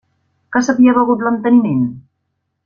Que s’havia begut l’enteniment?